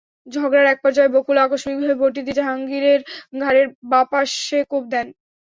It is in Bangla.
ঝগড়ার একপর্যায়ে বকুল আকস্মিকভাবে বঁটি দিয়ে জাহাঙ্গীরের ঘাড়ের বাঁ পাশে কোপ দেন।